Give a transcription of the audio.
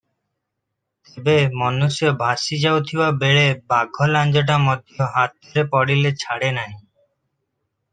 ତେବେ ମନୁଷ୍ୟ ଭାସି ଯାଉଥିବାବେଳେ ବାଘ ଲାଞ୍ଜଟା ମଧ୍ୟ ହାତରେ ପଡ଼ିଲେ ଛାଡ଼େ ନାହିଁ ।